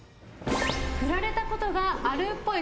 フラれたことがあるっぽい。